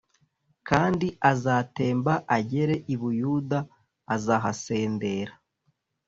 kandi azatemba agere i Buyuda Azahasendra